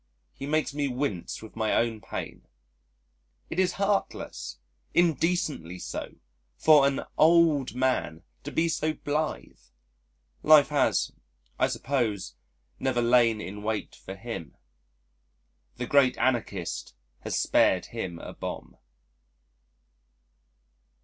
He makes me wince with my own pain. It is heartless, indecently so, for an old man to be so blithe. Life has, I suppose, never lain in wait for him. The Great Anarchist has spared him a bomb.